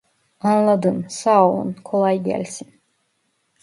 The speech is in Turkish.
Anladım sağolun kolay gelsin